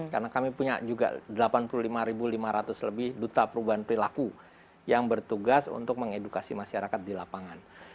karena kami punya juga delapan puluh lima lima ratus lebih duta perubahan perilaku yang bertugas untuk mengedukasi masyarakat di lapangan